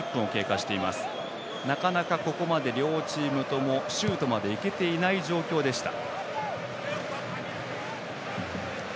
なかなかここまで両チームともシュートまでいけていない状況でした。